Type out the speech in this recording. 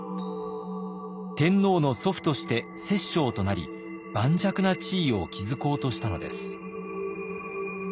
天皇の祖父として摂政となり盤石な地位を築こうとしたのです。